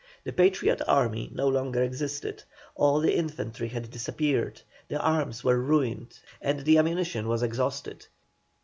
The Patriot army no longer existed, all the infantry had disappeared, the arms were ruined and the ammunition was exhausted.